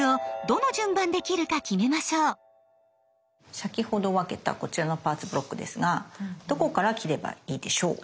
先ほど分けたこちらのパーツ・ブロックですがどこから切ればいいでしょう？